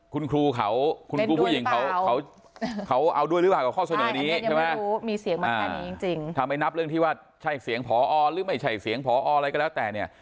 คุณครูผู้หญิงเขาเอาด้วยหรือเปล่ากับข้อเสนอนี้ใช่ไหมทำไมนับเรื่องที่ว่าใช่เสียงผอหรือไม่ใช่เสียงผออะไรก็แล้วแต่เนี่ย